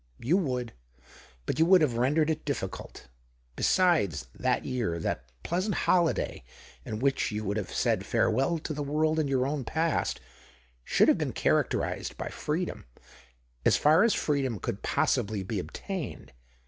" You would — but you would have rendered it difficult. Besides, that year — that pleasant holiday in which you would have said farewell to the world and your own past — should have been characterized by freedom, as far as freedom could possibly be obtained.